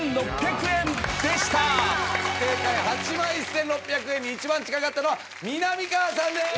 正解８万１，６００円に一番近かったのはみなみかわさんです！